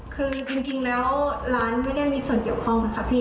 คือจริงแล้วร้านไม่ได้มีส่วนเกี่ยวข้องนะคะพี่